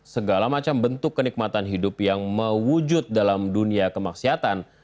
segala macam bentuk kenikmatan hidup yang mewujud dalam dunia kemaksiatan